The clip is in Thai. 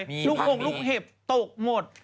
ลูกหงลูกเห็บตกหมด